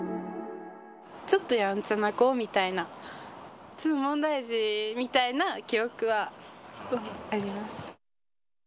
ちょっとやんちゃな子みたいな、問題児みたいな記憶はあります。